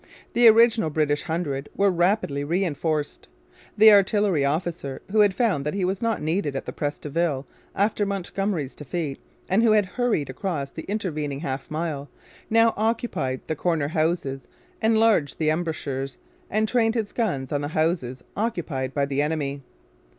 The original British hundred were rapidly reinforced. The artillery officer who had found that he was not needed at the Pres de Ville after Montgomery's defeat, and who had hurried across the intervening half mile, now occupied the corner houses, enlarged the embrasures, and trained his guns on the houses occupied by the enemy.